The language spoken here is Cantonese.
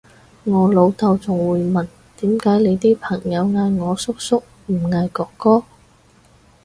我老豆仲會問點解你啲朋友嗌我叔叔唔嗌哥哥？